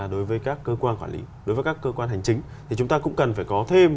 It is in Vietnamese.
đối với các cơ quan quản lý đối với các cơ quan hành chính thì chúng ta cũng cần phải có thêm